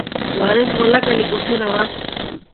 وارث غولکه له کوټې راواخیسته.